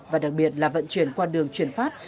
và đặc biệt là vận chuyển qua đường chuyển phát